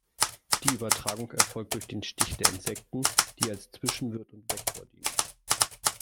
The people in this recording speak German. Die Übertragung erfolgt durch den Stich der Insekten, die als Zwischenwirt und Vektor dienen.